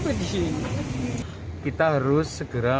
sehingga kita bisa berangkat ke tempat lain